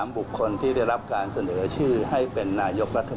บุคคลที่ได้รับการเสนอชื่อให้เป็นนายกรัฐม